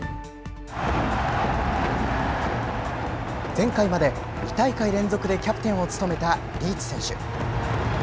前回まで２大会連続でキャプテンを務めたリーチ選手。